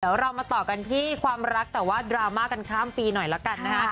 เดี๋ยวเรามาต่อกันที่ความรักแต่ว่าดราม่ากันข้ามปีหน่อยแล้วกันนะฮะ